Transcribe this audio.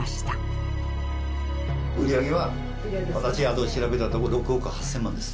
売り上げは私が調べたところ６億８０００万です。